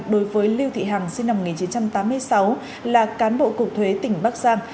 đối với lưu thị hằng sinh năm một nghìn chín trăm tám mươi sáu là cán bộ cục thuế tỉnh bắc giang